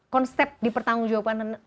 konsep di pertanggung jawaban